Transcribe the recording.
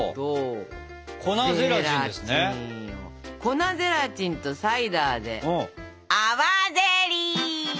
粉ゼラチンとサイダーで泡ゼリー！